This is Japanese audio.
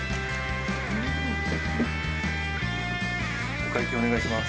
お会計お願いします。